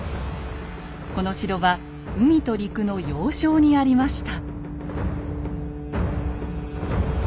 この城は海と陸の要衝にありました。